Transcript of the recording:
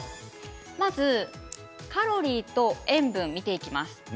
カロリーと塩分を見ていきます。